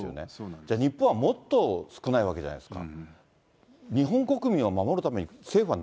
じゃあ日本はもっと少ないわけじゃないですか。